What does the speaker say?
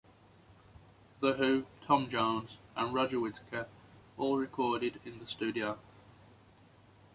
The Who, Tom Jones, and Roger Whittaker all recorded in the studio.